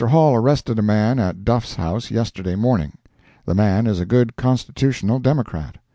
Hall arrested a man at Duff's house, yesterday morning. The man is a good Constitutional Democrat.